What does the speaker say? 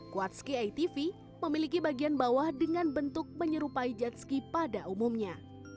kuatski atv memiliki bagian bawah dengan bentuk menyerupai jet ski pada umumnya